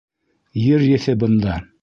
Ер еҫе бында.